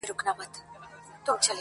او نسلونه يې يادوي تل تل,